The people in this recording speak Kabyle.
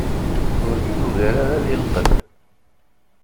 Ur t-tugar ara di lqedd.